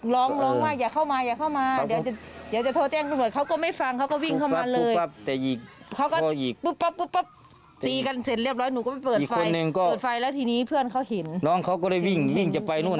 แล้วเขาก็ต่อสู้กันอีก